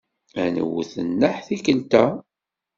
Ad nwet nneḥ tikkelt-a.